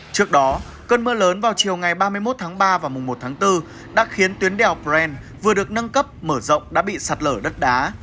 trước đó cơn mưa lớn vào chiều ngày ba mươi một tháng ba và mùng một tháng bốn đã khiến tuyến đèo bren vừa được nâng cấp mở rộng đã bị sạt lở đất đá